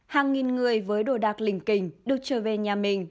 hàng nghìn người với đồ đạc linh kình được trở về nhà mình